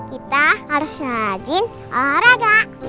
kita harus rajin olahraga